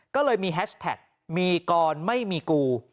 ก็เลยมีแฮชแท็กมีกรไม่มีกู